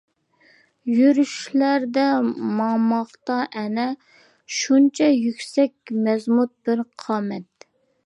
يۈرۈشلەردە ماڭماقتا ئەنە، شۇنچە يۈكسەك، مەزمۇت بىر قامەت.